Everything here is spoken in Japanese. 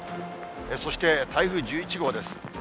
そして、台風１１号です。